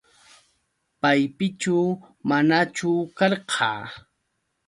¿Paypichu manachu karqa?